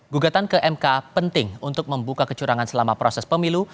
gugatan ke mk penting untuk membuka kecurangan selama proses pemilu